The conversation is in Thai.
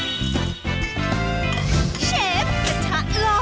ดูแลบ้านกันสันตา